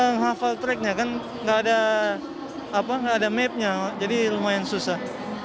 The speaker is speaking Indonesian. nghafal tracknya kan nggak ada mapnya jadi lumayan susah